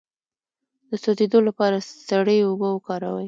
د سوځیدو لپاره سړې اوبه وکاروئ